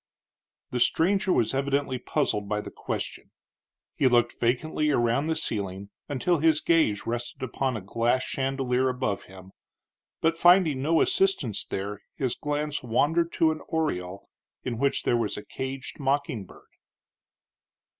The stranger was evidently puzzled by the question. He looked vacantly around the ceiling until his gaze rested upon a glass chandelier above him; but, finding no assistance there, his glance wandered to an oriel, in which there was a caged mocking bird.